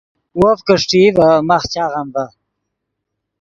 وف کہ اݰٹئی ڤے ماخ چاغم ڤے